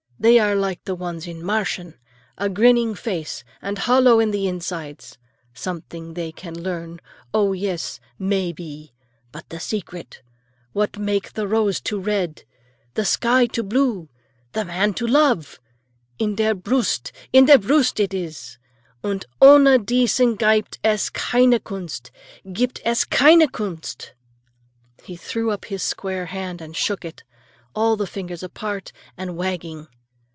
"They are like the ones in the Märchen, a grinning face and hollow in the insides. Something they can learn, oh, yes, may be! But the secret—what make the rose to red, the sky to blue, the man to love—in der Brust, in der Brust it is, und ohne dieses giebt es keine Kunst, giebt es keine Kunst!" He threw up his square hand and shook it, all the fingers apart and wagging.